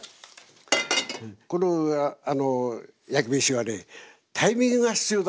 この焼き飯はねタイミングが必要なんですよ。